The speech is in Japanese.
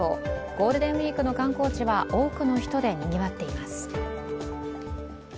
ゴールデンウイークの観光地は多くの人でにぎわっています。